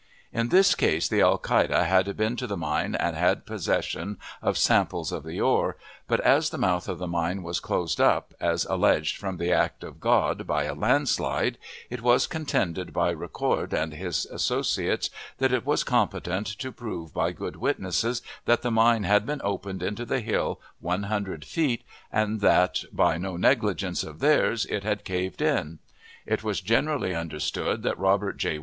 In this case the alcalde had been to the mine and had possession of samples of the ore; but, as the mouth of the mine was closed up, as alleged, from the act of God, by a land slide, it was contended by Ricord and his associates that it was competent to prove by good witnesses that the mine had been opened into the hill one hundred feet, and that, by no negligence of theirs, it had caved in. It was generally understood that Robert J.